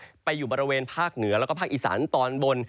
ไปอยู่บริเวณภาคเหนือแล้วก็ภาคอีสานตอนบน